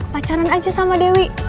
pacaran aja sama dewi